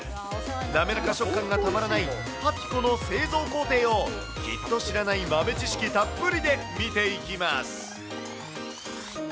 滑らか食感がたまらない、パピコの製造工程を、きっと知らないたっぷりの豆知識で見ていきます。